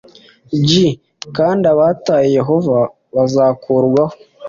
g kandi abataye yehova bazakurwaho